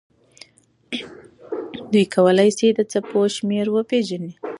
دوی کولی شي چې د څپو شمېر وپیژني.